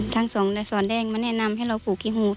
ทั้งสองในสอนแดงมาแนะนำให้เราปลูกขี้หูด